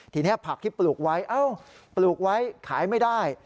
ทีนี้ผักที่ปลูกไว้เอ้าปลูกไว้ขายไม่ได้